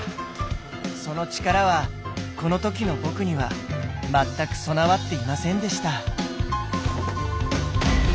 その力はこの時の僕には全く備わっていませんでした。